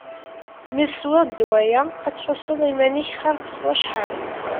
Ma teswiḍ ddwa-yi, ad tḥusseḍ iman-ik xir s wacḥal.